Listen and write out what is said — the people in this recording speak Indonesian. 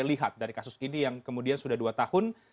lihat dari kasus ini yang kemudian sudah dua tahun